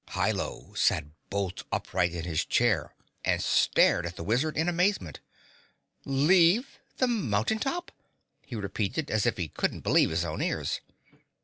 Hi Lo sat bolt upright in his chair and stared at the Wizard in amazement. "Leave the mountain top?" he repeated as if he couldn't believe his own ears.